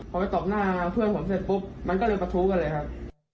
พอไปตบหน้าเพื่อนผมเสร็จปุ๊บมันก็เลยประทู้กันเลยครับ